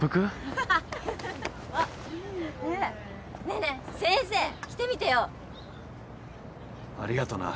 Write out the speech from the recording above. ねえねえ先生着てみてよ。ありがとな。